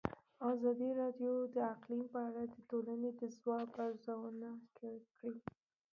ازادي راډیو د اقلیم په اړه د ټولنې د ځواب ارزونه کړې.